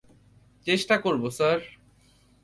চেষ্টা করব, স্যার।